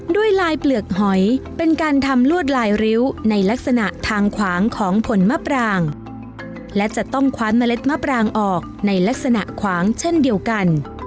ด้วยลายเปลือกหอยเป็นการทำลวดลายริ้วในลักษณะทางขวางของผลมะปรางและจะต้องคว้าเมล็ดมะปรางออกในลักษณะขวางเช่นเดียวกัน